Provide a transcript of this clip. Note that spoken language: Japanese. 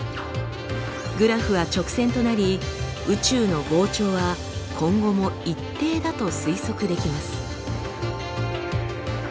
グラフは直線となり宇宙の膨張は今後も一定だと推測できます。